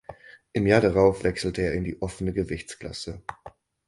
Im Jahr darauf wechselte er in die offene Gewichtsklasse.